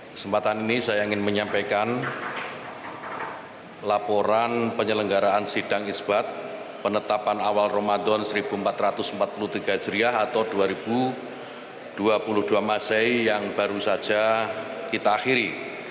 kesempatan ini saya ingin menyampaikan laporan penyelenggaraan sidang isbat penetapan awal ramadan seribu empat ratus empat puluh tiga jeriah atau dua ribu dua puluh dua masehi yang baru saja kita akhiri